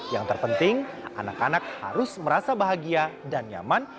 yang terpenting anak anak harus merasa bahagia dan nyaman